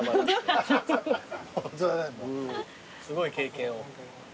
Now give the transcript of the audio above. すごい経験を。